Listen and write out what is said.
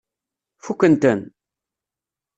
Fukken-ten?